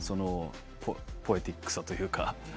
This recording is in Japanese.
ポエティックさというか。